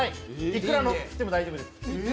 いくらのせても大丈夫です。